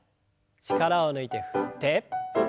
力を抜いて振って。